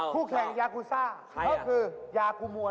คู่แข่งยากูซ่าเขาคือยากูมวล